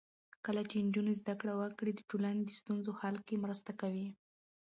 کله چې نجونې زده کړه وکړي، د ټولنې د ستونزو حل کې مرسته کوي.